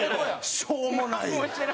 しょうもない！